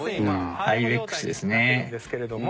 ハーレム状態になってるんですけれども。